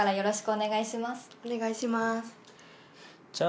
お願いします。